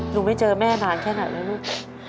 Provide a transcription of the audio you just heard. ไม่เจอแม่นานแค่ไหนแล้วลูก